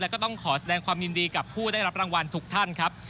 แล้วก็ต้องขอแสดงความยินดีกับผู้ได้รับรางวัลทุกท่านครับ